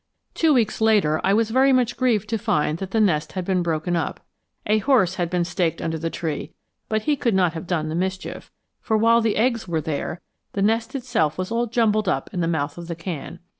Two weeks later I was much grieved to find that the nest had been broken up. A horse had been staked under the tree, but he could not have done the mischief; for while the eggs were there, the nest itself was all jumbled up in the mouth of the can.